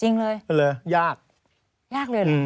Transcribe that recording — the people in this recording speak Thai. จริงเลยยากยากเลยเหรอ